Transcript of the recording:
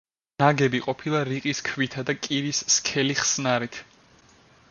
ნაგები ყოფილა რიყის ქვითა და კირის სქელი ხსნარით.